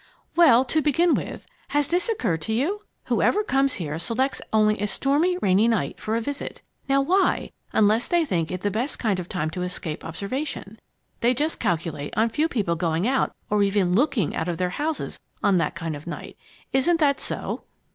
"Well, to begin with, has this occurred to you? whoever comes here selects only a stormy, rainy night for a visit. Now why, unless they think it the best kind of time to escape observation. They just calculate on few people going out or even looking out of their houses on that kind of a night. Isn't that so?"